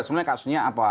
sebenarnya kasusnya apa